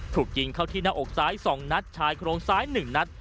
ถูกยิงเข้าที่หน้าอกซ้าย๒นัดชายโครงซ้าย๑นัด